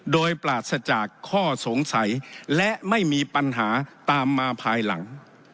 โดยปราศจากข้อสงสัยและไม่มีปัญหาตามมาภายหลัง